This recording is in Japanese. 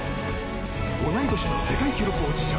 同い年の世界記録保持者